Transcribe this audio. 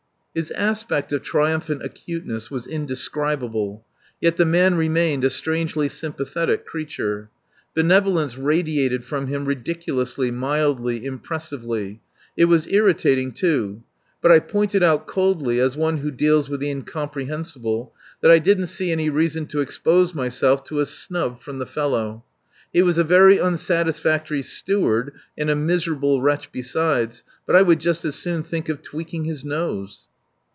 His aspect of triumphant acuteness was indescribable. Yet the man remained a strangely sympathetic creature. Benevolence radiated from him ridiculously, mildly, impressively. It was irritating, too. But I pointed out coldly, as one who deals with the incomprehensible, that I didn't see any reason to expose myself to a snub from the fellow. He was a very unsatisfactory steward and a miserable wretch besides, but I would just as soon think of tweaking his nose.